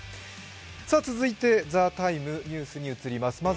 続いて「ＴＨＥＴＩＭＥ，ニュース」に移ります。